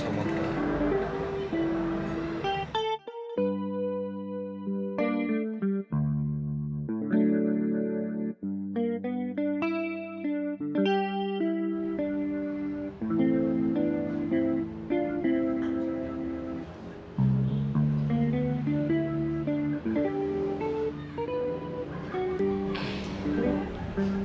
sampai jumpa lagi